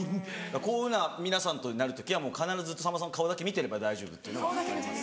こういうような皆さんとになる時は必ずさんまさんの顔だけ見てれば大丈夫っていうのはあります。